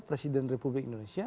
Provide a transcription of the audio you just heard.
presiden republik indonesia